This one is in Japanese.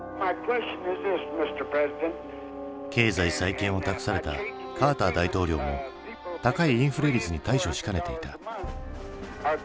経済再建を託されたカーター大統領も高いインフレ率に対処しかねていた。